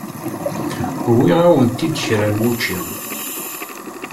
Uwiɣ-awent-id kra n wučču.